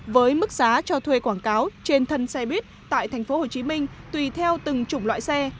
với mức giá cho thuê quảng cáo trên thân xe buýt tại tp hcm tùy theo từng chủng loại xe